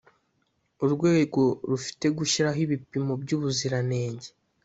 Urwego rufite gushyiraho ibipimo by ubuziranenge